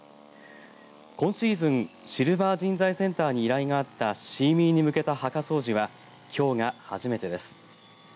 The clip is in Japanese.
今シーズンシルバー人材センターに依頼があったシーミーに向けた墓掃除はきょうが初めてです。